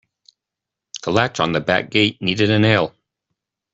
The latch on the back gate needed a nail.